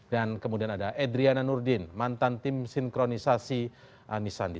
dan kemudian ada edriana nurdin mantan tim sinkronisasi nisandi